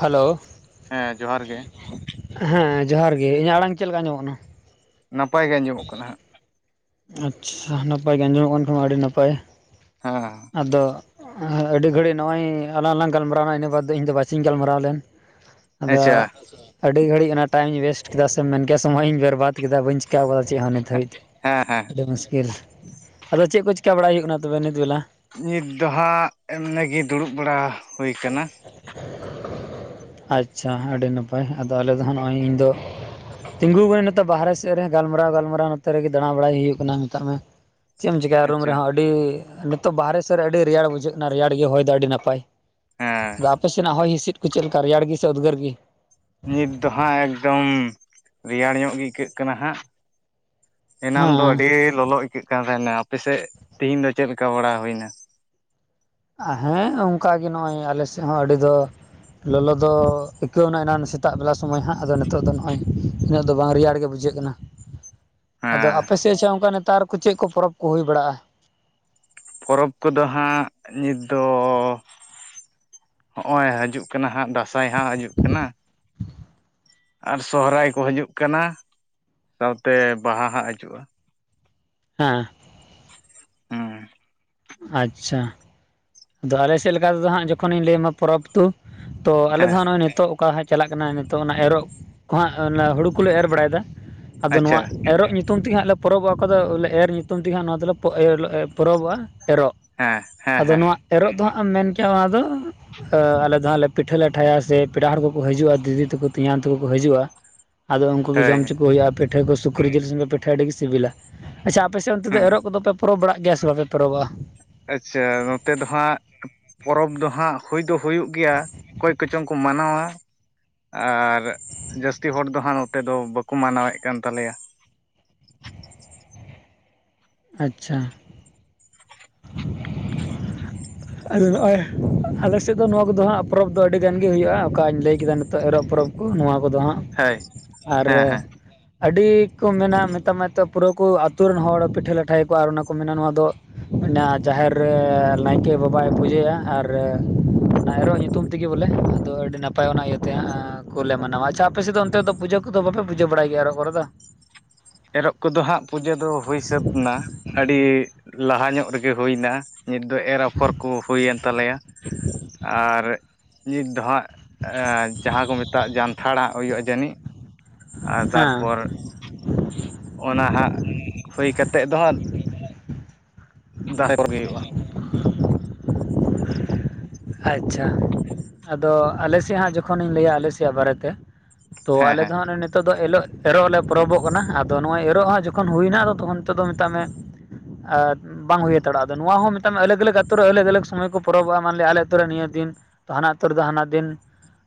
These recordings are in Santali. ᱦᱟᱞᱳ᱾ ᱦᱮᱸ ᱡᱚᱦᱟᱨ ᱜᱮ᱾ ᱦᱮᱸ ᱡᱚᱦᱟᱨ ᱜᱮ, ᱤᱧᱟᱹᱜ ᱟᱲᱟᱝ ᱪᱮᱜ ᱞᱮᱠᱟ ᱟᱸᱡᱚᱢᱚᱜ ᱠᱟᱱᱟ? ᱱᱟᱯᱟᱭ ᱜᱮ ᱟᱸᱡᱚᱢᱚᱜ ᱠᱟᱱᱟ ᱦᱟᱸᱜ᱾ ᱟᱪᱪᱷᱟ, ᱱᱟᱯᱟᱭ ᱜᱮ ᱟᱸᱡᱚᱢᱚᱜ ᱠᱟᱱ ᱠᱷᱟᱱ ᱢᱟ ᱟᱹᱰᱤ ᱱᱟᱯᱟᱭ᱾ ᱦᱮᱸ᱾ ᱟᱫᱚ ᱟᱹᱰᱤ ᱜᱷᱟᱹᱲᱤ ᱱᱚᱜᱼᱚᱭ ᱟᱞᱟᱝ ᱞᱟᱝ ᱜᱟᱞᱢᱟᱨᱟᱣᱱᱟ, ᱤᱱᱟᱹ ᱵᱟᱫ ᱫᱚ ᱤᱧᱫᱚ ᱵᱟᱪᱤᱧ ᱜᱟᱞᱢᱟᱨᱟᱣ ᱞᱮᱱ᱾ ᱟᱫᱚ ᱟᱪᱪᱷᱟ ᱟᱹᱰᱤ ᱜᱷᱟᱹᱲᱤᱡ ᱚᱱᱟ ᱴᱟᱭᱤᱢᱤᱧ ᱚᱭᱮᱥᱴ ᱠᱮᱫᱟ, ᱥᱮ ᱢᱮᱱᱠᱮᱭᱟ ᱥᱚᱢᱚᱭ ᱤᱧ ᱵᱮᱨᱵᱟᱫ ᱠᱮᱫᱟ ᱵᱟᱹᱧ ᱪᱮᱠᱟᱣ ᱠᱟᱫᱟ ᱪᱮᱜ ᱦᱚᱸ ᱱᱤᱛ ᱦᱟᱹᱵᱤᱡ ᱛᱮ᱾ ᱦᱮᱸ ᱦᱮᱸ᱾ ᱟᱹᱰᱤ ᱢᱩᱥᱠᱤᱞ ᱟᱫᱚ ᱪᱮᱜ ᱠᱚ ᱪᱤᱠᱟᱹ ᱵᱟᱲᱟᱭ ᱦᱩᱭᱩᱜ ᱠᱟᱱᱟ ᱛᱚᱵᱮ ᱱᱤᱛ ᱵᱮᱞᱟ? ᱱᱤᱛ ᱫᱚ ᱦᱟᱸᱜ ᱮᱢᱱᱤᱜᱮ ᱫᱩᱲᱩᱵ ᱵᱟᱲᱟ ᱦᱳᱭ ᱠᱟᱱᱟ᱾ [inaudible] ᱟᱪᱪᱷᱟ ᱟᱹᱰᱤ ᱱᱟᱯᱟᱭ, ᱟᱫᱚ ᱟᱞᱮ ᱫᱚ ᱦᱟᱸᱜ ᱱᱚᱜᱼᱚᱭ ᱤᱧ ᱫᱚ ᱛᱤᱸᱜᱩᱣ ᱠᱟᱹᱱᱤᱧ ᱱᱤᱛᱚᱜ ᱵᱟᱦᱟᱨᱮ ᱥᱮᱜ ᱨᱮ ᱜᱟᱞᱢᱟᱨᱟᱣ ᱜᱟᱞᱢᱟᱨᱟᱣ ᱱᱚᱛᱮ ᱨᱮᱜᱮ ᱫᱟᱬᱟ ᱵᱟᱲᱟᱭ ᱦᱩᱭᱩᱜ ᱠᱟᱱᱟ ᱢᱮᱛᱟᱜ ᱢᱮ᱾ ᱪᱮᱜ ᱮᱢ ᱪᱮᱠᱟᱭᱟ ᱨᱩᱢ ᱟᱪᱪᱷᱟ ᱨᱮᱦᱚᱸ, ᱟᱹᱰᱤ ᱱᱤᱛᱚᱜ ᱵᱟᱦᱟᱨᱮ ᱥᱮᱜ ᱨᱮ ᱟᱹᱰᱤ ᱨᱮᱭᱟᱲ ᱵᱩᱡᱷᱟᱹᱜ ᱠᱟᱱᱟ ᱨᱮᱭᱟᱲ ᱜᱮ ᱦᱚᱭ ᱫᱚ ᱟᱹᱰᱤ ᱱᱟᱯᱟᱭ᱾ ᱦᱮᱸ ᱟᱨ ᱟᱯᱮ ᱥᱮᱱᱟᱜ ᱦᱚᱭ ᱦᱤᱸᱥᱤᱫ ᱠᱩ ᱪᱮᱜ ᱞᱮᱠᱟ? ᱨᱮᱭᱟᱲ ᱜᱤ ᱥᱮ ᱩᱫᱜᱟᱹᱨ ᱜᱤ? ᱱᱤᱛ ᱫᱚ ᱦᱟᱸᱜ ᱮᱠᱫᱚᱢ ᱨᱮᱭᱟᱲ ᱧᱚᱜ ᱜᱮ ᱟᱹᱭᱠᱟᱹᱜ ᱠᱟᱱᱟ ᱦᱟᱸᱜ᱾ ᱮᱱᱟᱱ ᱫᱚ ᱦᱮᱸ ᱟᱹᱰᱤ ᱞᱚᱞᱚ ᱟᱹᱭᱠᱟᱹᱜ ᱠᱟᱱ ᱛᱟᱸᱦᱮᱸᱱᱟ ᱟᱯᱮᱥᱮᱫ ᱛᱮᱦᱤᱧ ᱫᱚ ᱪᱮᱫ ᱞᱮᱠᱟ ᱵᱟᱲᱟ ᱦᱩᱭᱱᱟ? ᱦᱮᱸ ᱚᱝᱠᱟᱜ ᱜᱮ ᱱᱚᱜᱼᱚᱭ ᱟᱞᱮ ᱥᱮᱫ ᱦᱚᱸ ᱟᱹᱰᱤ ᱫᱚ ᱞᱚᱞᱚ ᱫᱚ ᱟᱹᱭᱠᱟᱹᱣ ᱱᱟ ᱮᱱᱟᱱ ᱥᱮᱛᱟᱜ ᱵᱮᱞᱟ ᱥᱚᱢᱚᱭ ᱦᱟᱸᱜ ᱟᱫᱚ ᱱᱤᱛᱚᱜ ᱫᱚ ᱱᱚᱜᱼᱚᱭ ᱤᱱᱟᱹᱜ ᱫᱚ ᱵᱟᱝ ᱨᱮᱭᱟᱲ ᱜᱮ ᱵᱩ ᱡᱷᱟᱹᱜ ᱠᱟᱱᱟ, ᱟᱫᱚ ᱦᱮᱸ ᱟᱯᱮ ᱥᱮᱫᱪ ᱚᱱᱠᱟ ᱱᱮᱛᱟᱨ ᱠᱚ ᱪᱮᱫ ᱠᱚ ᱯᱚᱨᱚᱵᱽ ᱠᱚ ᱦᱩᱭ ᱵᱟᱲᱟᱜᱼᱟ? ᱯᱚᱨᱚᱵᱽ ᱠᱚᱫᱚ ᱦᱟᱸᱜ ᱱᱤᱛ ᱫᱚ ᱦᱚᱸᱜᱼᱚᱭ ᱦᱤᱡᱩᱜ ᱠᱟᱱᱟ ᱦᱟᱸᱜ ᱫᱟᱸᱥᱟᱭ ᱦᱟᱸᱜ ᱦᱤᱡᱩᱜ ᱠᱟᱱᱟ᱾ ᱟᱨ ᱥᱚᱦᱚᱨᱟᱭ ᱠᱚ ᱦᱤᱡᱩᱜ ᱠᱟᱱᱟ, ᱥᱟᱶᱛᱮ ᱵᱟᱦᱟ ᱦᱟᱸᱜ ᱦᱤᱡᱩᱜᱼᱟ᱾ ᱦᱟᱸ᱾ ᱦᱩᱸ᱾ ᱟᱪᱪᱷᱟ᱾ ᱟᱫᱚ ᱟᱞᱮ ᱥᱮᱫ ᱞᱮᱠᱟ ᱛᱚ ᱦᱟᱸᱜ ᱡᱚᱠᱷᱚᱱᱤᱧ ᱞᱟᱹᱭ ᱟᱟᱢᱟ ᱯᱚᱨᱚᱵᱽ ᱛᱩ ᱛᱚ ᱟᱞᱮ ᱫᱚ ᱦᱮᱸ ᱦᱟᱸᱜ ᱱᱚᱜᱼᱚᱭ ᱱᱤᱛᱚᱜ ᱚᱠᱟ ᱦᱟᱸᱜ ᱪᱟᱞᱟᱜ ᱠᱟᱱᱟ ᱱᱤᱛᱚᱜ ᱚᱱᱟ ᱮᱨᱚᱜ ᱠᱚ ᱦᱟᱸᱜ ᱚᱱᱟ ᱦᱩᱲᱩ ᱠᱚᱞᱮ ᱮᱨ ᱵᱟᱲᱟᱭᱫᱟ ᱟᱫᱚ ᱟᱪᱪᱷᱟ ᱱᱚᱣᱟ ᱮᱨᱚᱜ ᱧᱩᱛᱩᱢ ᱛᱮᱜᱮ ᱦᱟᱸᱜ ᱞᱮ ᱯᱚᱨᱚᱵᱚᱜᱼᱟ, ᱚᱠᱚ ᱫᱚᱮ ᱮᱨ ᱧᱩᱛᱩᱢ ᱛᱮᱜᱮ ᱦᱟᱸᱜ ᱱᱚᱣᱟ ᱫᱚᱞᱮ ᱮ ᱯᱚᱨᱚᱵᱚᱜᱼᱟ᱾ ᱮᱨᱚᱜ ᱦᱮᱸ ᱦᱮᱸ ᱟᱫᱚ ᱦᱮᱸ ᱱᱚᱣᱟ ᱮᱨᱚᱜ ᱫᱚ ᱦᱟᱸᱜ ᱮᱢ ᱢᱮᱱ ᱠᱮᱜᱼᱟ ᱱᱚᱣᱟ ᱫᱚ ᱮ ᱟᱞᱮ ᱫᱚ ᱦᱟᱸᱜ ᱞᱮ ᱯᱤᱴᱷᱟᱹ ᱞᱟᱴᱷᱟᱭᱟ ᱥᱮ ᱯᱮᱲᱟ ᱦᱚᱲ ᱠᱚᱠᱚ ᱦᱤᱡᱩᱜᱼᱟ ᱫᱤᱫᱤ ᱛᱟᱠᱚ ᱛᱮᱧᱟᱝ ᱛᱟᱠᱚ ᱠᱚ ᱦᱤᱡᱩᱜᱼᱟ᱾ ᱟᱫᱚ ᱩᱝᱠᱩ ᱜᱮ ᱦᱳᱭ ᱡᱚᱢᱪᱚ ᱠᱚ ᱦᱩᱭᱩᱜᱼᱟ ᱯᱤᱴᱷᱟᱹ ᱠᱚ ᱥᱩᱠᱨᱤ ᱡᱤᱞ ᱥᱚᱢᱜᱮ ᱯᱤᱴᱷᱟᱹ ᱟᱹᱰᱤ ᱜᱤ ᱥᱤᱵᱤᱞᱟ᱾ ᱟᱪᱪᱷᱟ ᱟᱯᱮ ᱥᱮᱫ ᱚᱱᱛᱮ ᱫᱚ ᱦᱮᱸ ᱮᱨᱚᱜ ᱠᱚᱫᱚ ᱯᱮ ᱯᱚᱨᱚᱵᱽ ᱵᱟᱲᱟᱜ ᱜᱮᱭᱟ ᱥᱮ ᱵᱟᱯᱮ ᱯᱚᱨᱚᱵᱚᱜᱼᱟ? ᱟᱪᱪᱷᱟ ᱱᱚᱛᱮ ᱫᱚ ᱦᱟᱸᱜ ᱯᱚᱨᱚᱵᱽ ᱫᱚ ᱦᱟᱸᱜ ᱦᱩᱭ ᱫᱚ ᱦᱩᱭᱩᱜ ᱜᱮᱭᱟ ᱚᱠᱚᱭ ᱠᱚᱪᱚᱝ ᱠᱚ ᱢᱟᱱᱟᱣᱟ᱾ ᱟᱨ ᱡᱟᱹᱥᱛᱤ ᱦᱚᱲ ᱫᱚ ᱦᱟᱸᱜ ᱱᱚᱛᱮ ᱫᱚ ᱵᱟᱠᱚ ᱢᱟᱱᱟᱣᱮᱫ ᱠᱟᱱ ᱛᱟᱞᱮᱭᱟ᱾ ᱟᱪᱪᱷᱟ᱾ ᱟᱫᱚ ᱱᱚᱜᱼᱚᱭ ᱟᱞᱮᱥᱮᱫ ᱫᱚ ᱱᱚᱣᱟ ᱠᱚᱫᱚ ᱦᱟᱸᱜ ᱯᱚᱨᱚᱵᱽ ᱫᱚ ᱟᱹᱰᱤ ᱜᱟᱱᱜ ᱜᱮ ᱦᱩᱭᱩᱜᱼᱟ ᱚᱠᱟᱧ ᱞᱟᱹᱭ ᱠᱮᱫᱟ ᱱᱤᱛᱚᱜ ᱮᱨᱚᱜ ᱯᱚᱨᱚᱵᱽ? ᱠᱚ ᱱᱚᱣᱟ ᱠᱚᱫᱚ ᱦᱟᱸᱜ ᱦᱳᱭ ᱟᱨ ᱦᱮᱸ ᱦᱮᱸ ᱟᱹᱰᱤ ᱠᱚ ᱢᱮᱱᱟ ᱢᱮᱛᱟᱜ ᱢᱟ ᱱᱛᱚᱜ ᱯᱩᱨᱟᱹ ᱠᱚ ᱟᱛ ᱨᱮᱱ ᱦᱚᱲ ᱯᱤᱴᱷᱟᱹ ᱞᱟᱴᱷᱟᱭᱠᱚ ᱟᱨ ᱚᱱᱟ ᱠᱚ ᱢᱮᱱᱟ ᱱᱚᱣᱟ ᱫᱚ, ᱚᱱᱟ ᱡᱟᱦᱮᱨ ᱨᱮ ᱞᱟᱭᱤᱱ, ᱠᱮ ᱵᱟᱵᱟᱭ ᱯᱩᱡᱟᱹᱭᱟ ᱟᱨ ᱮᱨᱚᱜ ᱧᱩᱛᱩᱢ ᱛᱮᱜᱮ ᱵᱚᱞᱮ ᱟᱫᱚ ᱟᱹᱰᱤ ᱱᱟᱯᱟᱭ ᱚᱱᱟ ᱤᱭᱟᱹᱛᱮ ᱦᱟᱸᱜ, ᱠᱚᱞᱮ ᱢᱟᱱᱟᱣᱟ ᱟᱪᱷᱟ ᱟᱯᱮ ᱥᱮᱫ ᱚᱱᱛᱮ ᱫᱚ ᱯᱩᱡᱟᱹ ᱠᱚᱫᱚ ᱵᱟᱯᱮ ᱯᱩᱡᱟᱹ ᱵᱟᱲᱟᱭ ᱜᱮᱭᱟ ᱟᱨᱚᱜ ᱠᱚ ᱨᱮ ᱫᱚ? ᱮᱨᱚᱜ ᱠᱚᱫᱚ ᱦᱟᱸᱜ ᱯᱩᱡᱟᱹ ᱫᱚ ᱦᱩᱭ ᱥᱟᱹᱛ ᱮᱱᱟ ᱟᱹᱰᱤ ᱞᱟᱦᱟ ᱧᱚᱜ ᱨᱮᱜᱮ ᱦᱩᱭᱱᱟ᱾ ᱱᱤᱛ ᱫᱚ ᱮᱨ ᱟᱯᱷᱚᱨ ᱠᱚ ᱦᱩᱭᱮᱱ ᱛᱟᱞᱮᱭᱟ ᱟᱨ, ᱱᱤᱛ ᱫᱚ ᱦᱟᱸᱜ ᱡᱟᱦᱟᱸ ᱠᱚ ᱢᱮᱛᱟᱜ ᱡᱟᱱᱛᱷᱟᱲᱟᱜ ᱦᱩᱭᱩᱜᱼᱟ ᱡᱟᱹᱱᱤᱡ? ᱟᱨ ᱦᱮᱸ ᱛᱟᱨᱯᱚᱨ ᱚᱱᱟ ᱦᱟᱸᱜ ᱦᱩᱭ ᱠᱟᱛᱮᱫ ᱫᱚ ᱦᱟᱸᱜ, ᱫᱟᱨᱮ ᱠᱚ ᱦᱩᱭᱩᱜᱼᱟ᱾ ᱟᱪᱪᱷᱟ ᱟᱫᱚ ᱟᱞᱮ ᱥᱮᱭᱟᱜ ᱦᱟᱸᱜ ᱡᱚᱠᱷᱚᱱᱤᱧ ᱞᱟᱹᱭᱟ ᱟᱞᱮ ᱥᱮᱭᱟᱜ ᱵᱟᱨᱮᱛᱮ? ᱛᱚ ᱦᱮᱸ ᱟᱞᱮ ᱦᱮᱸ ᱫᱚ ᱦᱟᱸᱜ ᱱᱤᱛᱚᱜ ᱫᱚ ᱮᱞᱚᱜ, ᱮᱨᱚᱜ ᱞᱮ ᱯᱚᱨᱚᱵᱚᱜ ᱠᱟᱱᱟ ᱟᱫᱚ ᱱᱚᱜᱼᱚᱭ ᱮᱨᱚᱜ ᱟᱜ ᱡᱚᱠᱷᱚᱱ ᱦᱩᱭᱱᱟ ᱟᱫᱚ ᱛᱚᱠᱷᱚᱱ ᱛᱮᱫᱚ ᱫᱚ ᱢᱮᱛᱟᱜ ᱢᱮ? ᱵᱟᱝ ᱦᱩᱭ ᱦᱟᱛᱟᱲᱚᱜᱼᱟ ᱟᱫᱚ ᱱᱚᱣᱟ ᱦᱚᱸ ᱢᱮᱛᱟᱜᱼᱟ ᱟᱹᱞᱟᱜᱽ ᱟᱹᱞᱟᱜᱽ ᱟᱛᱳ ᱨᱮ ᱟᱹᱞᱟᱜᱽ ᱟᱹᱞᱟᱜᱽ ᱥᱚᱢᱚᱭ ᱠᱚ ᱯᱚᱨᱚᱵᱚᱜᱼᱟ ᱢᱟᱱᱞᱮ ᱟᱞᱮ ᱛᱩ ᱨᱮ ᱱᱤᱭᱟᱹ ᱫᱤᱱ ᱛᱚ ᱦᱟᱱᱟ ᱟᱹᱛᱳ ᱨᱮᱫᱚ ᱦᱟᱱᱟ ᱫᱤᱱ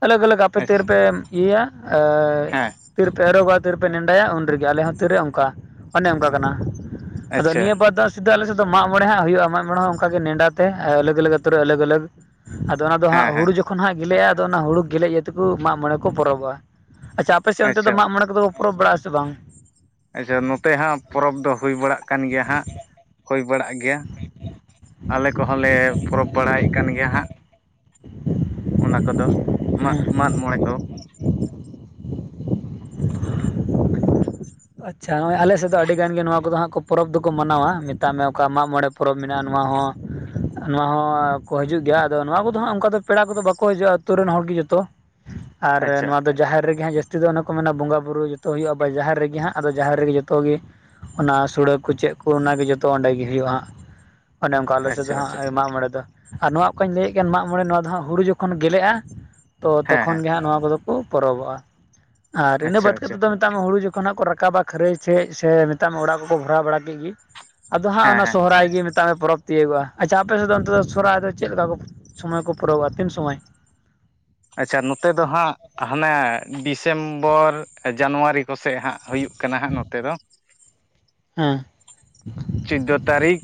ᱟᱞᱟᱜᱽ ᱟᱞᱟᱜᱽ ᱟᱯᱮ ᱛᱤᱨ ᱟᱪᱪᱷᱟ ᱨᱮᱯᱮ ᱤᱭᱟᱹᱭᱟ ᱮᱸ ᱦᱮᱸ ᱛᱤᱨᱯᱮ ᱮᱨᱚᱜᱚ ᱜᱟ ᱛᱤᱨ ᱨᱮᱯᱮ ᱱᱮᱰᱟᱭᱟ ᱩᱱ ᱨᱮᱜᱮ ᱟᱞᱮ ᱦᱚᱸ ᱛᱤᱨᱮ ᱚᱱᱠᱟ ᱚᱱᱮ ᱚᱱᱠᱟ ᱠᱟᱱᱟ᱾ ᱟᱫᱚ ᱟᱪᱪᱷᱟ ᱱᱤᱭᱟᱹ ᱯᱟᱫ ᱥᱮᱫᱟᱹ ᱟᱞᱮ ᱥᱮᱫ ᱫᱚ ᱢᱟᱜ ᱢᱚᱬᱮ ᱦᱩᱭᱩᱜᱼᱟ ᱢᱚᱬᱮ ᱦᱚᱸ ᱚᱱᱠᱟ ᱜᱮ ᱱᱮᱸᱰᱟ ᱛᱮ ᱟᱞᱟᱜ ᱟᱞᱟᱜ ᱟᱹᱛᱳ ᱨᱮ ᱟᱞᱟᱜ ᱟᱞᱟᱜ, ᱟᱫᱚ ᱚᱱᱟ ᱫᱚ ᱦᱮᱸ ᱦᱟᱸᱜ ᱦᱮᱸ ᱦᱩᱲᱩ ᱡᱚᱠᱷᱚᱱ ᱦᱟᱸᱜ ᱜᱮᱞᱮᱜᱼᱟ ᱟᱫᱚ ᱚᱱᱟ ᱦᱩᱲᱩ ᱜᱮᱞᱮ ᱤᱭᱟᱹ ᱛᱮ ᱠᱚ ᱢᱟᱜ ᱢᱚᱬᱮ ᱠᱚ ᱯᱚᱨᱚᱵᱼᱟ᱾ ᱟᱪᱪᱷᱟ ᱟᱯᱮ ᱥᱮᱫ ᱚᱱᱛᱮ ᱫᱚ ᱟᱪᱪᱷᱟ ᱢᱟᱜ ᱢᱚᱬ ᱠᱚᱫᱚ ᱠᱚ ᱯᱚᱨᱚᱵ ᱵᱟᱲᱟᱜ ᱟ ᱥᱮ ᱵᱟᱝ? ᱟᱪᱪᱷᱟ ᱱᱚᱛᱮ ᱦᱟᱸᱜ ᱯᱚᱨᱚᱵᱽ ᱫᱚ ᱦᱩᱭ ᱵᱟᱲᱟᱜ ᱠᱟᱱ ᱜᱮᱭᱟ ᱦᱟᱸᱜ ᱦᱩᱭ ᱵᱟᱲᱟᱜ ᱜᱮᱭᱟ᱾ ᱟᱞᱮ ᱠᱚᱦᱚᱸ ᱞᱮ ᱯᱚᱨᱚᱵᱽ ᱵᱟᱲᱟᱭᱮᱫ ᱠᱟᱱ ᱜᱮᱭᱟ ᱦᱟᱸᱜ? ᱚᱱᱟ ᱠᱚᱫᱚ ᱢᱟᱜ, ᱢᱟᱜ ᱢᱚᱬᱮ ᱠᱚ᱾ ᱟᱪᱪᱷᱟ ᱱᱚᱜᱼᱚᱭ ᱟᱞᱮ ᱥᱮᱫ ᱫᱚ ᱟᱹᱰᱤ ᱜᱟᱱ ᱜᱮ ᱱᱚᱣᱟ ᱠᱚᱫᱚ ᱦᱟᱸᱜ ᱠᱚ ᱯᱚᱨᱚᱵᱽ ᱫᱚᱠᱚ ᱢᱟᱱᱟᱣᱟ ᱢᱮᱛᱟᱜ ᱢᱮ ᱚᱠᱟ ᱢᱟᱜ ᱢᱚᱬᱮ, ᱯᱚᱨᱚᱵᱽ ᱢᱮᱱᱟᱜᱼᱟ ᱱᱚᱣᱟ ᱦᱚᱸ, ᱱᱚᱣᱟ ᱦᱚᱸ, ᱠᱚ ᱦᱤᱡᱩᱜ ᱜᱮᱭᱟ ᱟᱫᱚ ᱱᱚᱣᱟ ᱠᱚᱫᱚ ᱦᱟᱸᱜ ᱚᱱᱠᱟ ᱫᱚ ᱯᱮᱲᱟ ᱠᱚᱫᱚ ᱵᱟᱠᱚ ᱦᱤᱡᱩᱜᱼᱟ ᱟᱹᱛᱩ ᱨᱮᱱ ᱦᱚᱲ ᱜᱮ ᱡᱚᱛᱚ᱾ ᱟᱨ ᱟᱪᱪᱷᱟ ᱱᱚᱣᱟ ᱫᱚ ᱡᱟᱦᱮᱨ ᱨᱮᱜᱮ ᱦᱟᱸᱜ ᱡᱟᱹᱥᱛᱤ ᱫᱚ ᱚᱱᱮ ᱠᱚ ᱢᱮᱱᱟ ᱵᱚᱸᱜᱟ ᱵᱩᱨᱩ ᱡᱚᱛᱚ ᱦᱩᱭᱩᱜᱼᱟ ᱵᱟ ᱡᱟᱦᱮᱨ ᱨᱮᱜᱮ ᱦᱟᱸᱜ᱾ ᱟᱫᱚ ᱡᱟᱦᱮᱨ ᱨᱮᱜᱮ ᱡᱚᱛᱚ ᱜᱮ ᱚᱱᱟ ᱥᱩᱲᱟ. ᱠᱚ ᱪᱮᱫ ᱠᱚ ᱚᱱᱟᱜᱮ ᱡᱚᱛᱚ ᱚᱸᱰᱮ ᱜᱮ ᱦᱩᱭᱩᱜᱼᱟ ᱦᱟᱸᱜ᱾ ᱚᱱᱮ ᱚᱱᱠᱟ ᱟᱞᱮ ᱥᱮᱫ ᱫᱚ ᱟᱪᱪᱷᱟ ᱟᱪᱪᱷᱟ ᱢᱟᱜᱽ ᱢᱚᱬᱮ ᱫᱚ᱾ ᱟᱨ ᱱᱚᱣᱟ ᱚᱠᱟᱧ ᱞᱟᱹᱭᱮᱫ ᱠᱟᱱ ᱢᱟᱜ ᱢᱚᱬᱮ ᱱᱚᱣᱟ ᱫᱚ ᱦᱟᱸᱜ ᱦᱩᱲᱩ ᱡᱚᱠᱷᱚᱱ ᱜᱮᱞᱮᱜᱼᱟ ᱛᱚ ᱦᱮᱸ ᱦᱮᱸ ᱛᱚᱠᱷᱚᱱ ᱜᱮ ᱦᱟᱸᱜ ᱱᱚᱣᱟ ᱠᱚᱫᱚ, ᱠᱚ ᱯᱚᱨᱚᱵᱚᱜᱼᱟ ᱟᱨ ᱤᱱᱟᱹ ᱟᱪᱪᱷᱟ ᱵᱟᱫ ᱟᱪᱪᱷᱟ ᱠᱟᱛᱮᱫ ᱫᱚ ᱢᱮᱛᱟᱜ ᱢᱮ ᱦᱩᱲᱩ ᱡᱚᱠᱷᱚᱱᱟᱜ ᱠᱚ ᱨᱟᱠᱟᱵ ᱨᱟᱠᱟᱵᱟ ᱠᱷᱟᱹᱨᱟᱹᱭ ᱥᱮᱫ ᱥᱮ ᱢᱮᱛᱟᱜ ᱢᱮ ᱚᱲᱟᱜ ᱠᱚᱠᱚ ᱵᱷᱚᱨᱟᱣ ᱵᱟᱲᱟ ᱠᱮᱫ ᱜᱤ ᱟᱫᱚ ᱦᱟᱸᱜ ᱦᱮᱸ ᱚᱱᱟ ᱦᱮᱸ ᱥᱚᱦᱨᱟᱭ ᱜᱮ ᱢᱮᱛ ᱛᱟᱜᱮ ᱯᱚᱨᱚᱵᱽ ᱛᱤᱭᱟᱹᱜᱚᱜᱼᱟ ᱟᱪᱪᱷᱟ ᱟᱯᱮᱥᱮᱫ ᱫᱚ ᱚᱱᱛᱮ ᱫᱚ ᱥᱚᱨᱦᱟᱭ ᱫᱚ ᱪᱮᱫ ᱞᱮᱠᱟ ᱠᱚ ᱥᱚᱢᱚᱭ ᱯᱚᱨᱚᱵᱚᱜ-ᱟ ᱛᱤᱱ ᱥᱚᱢᱚᱭ? ᱟᱪᱪᱷᱟ ᱱᱚᱛᱮ ᱫᱚ ᱦᱟᱸᱜ, ᱦᱟᱱᱟᱮ ᱰᱤᱥᱮᱢᱵᱚᱨ ᱡᱟᱱᱩᱣᱟᱨᱤ ᱠᱚᱥᱮᱜ ᱦᱟᱸᱜ ᱦᱩᱭᱩᱜ ᱠᱟᱱᱟ ᱦᱟᱸᱜ ᱱᱚᱛᱮ ᱫᱚ᱾ ᱦᱮᱸ, ᱪᱳᱫᱫᱳ ᱛᱟᱹᱨᱤᱠᱷ